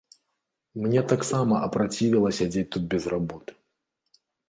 Мне таксама апрацівела сядзець тут без работы.